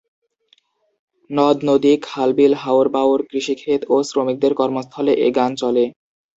নদ-নদী, খাল-বিল, হাওর-বাঁওর, কৃষি ক্ষেত ও শ্রমিকদের কর্মস্থলে এ গান চলে।